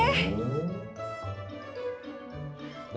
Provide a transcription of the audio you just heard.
kok kesini be